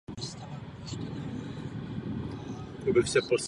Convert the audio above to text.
Sportovní kariéru ukončila až na přelomu tisíciletí.